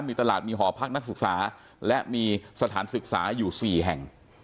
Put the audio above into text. มีตลาดมีหอพักนักศึกษาและมีสถานศึกษาอยู่๔แห่ง